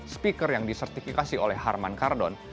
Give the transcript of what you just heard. speaker yang disertifikasi oleh harman kardon